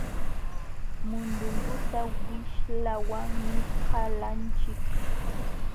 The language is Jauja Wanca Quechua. Mundunguta wishlawanmi qalanchik.